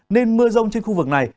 nên mưa rông trên khu vực này